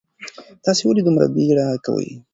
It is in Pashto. تاسو ولې دومره بیړه کوئ؟